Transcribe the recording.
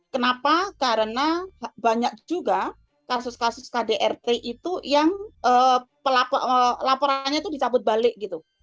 kenapa karena banyak juga kasus kasus kdrt itu yang laporannya itu dicabut balik gitu